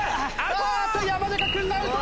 あーっと山中君がアウト！